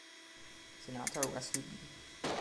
Senator Russel B.